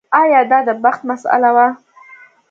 ایا دا د بخت مسئله وه.